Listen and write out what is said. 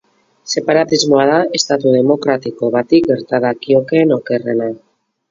Separatismoa da estatu demokratiko bati gerta dakiokeen okerrena.